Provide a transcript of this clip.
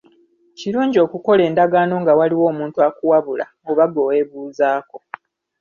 Kirungi okukola endagaano nga waliwo omuntu akuwabula oba gwe weebuuzaako.